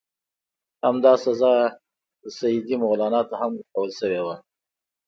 همدا سزا سیدي مولا ته هم ورکړل شوې وه.